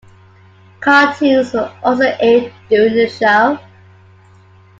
Cartoons were also aired during the show.